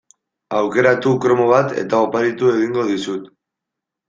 Aukeratu kromo bat eta oparitu egingo dizut.